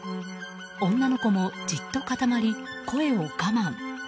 女の子もじっと固まり声を我慢。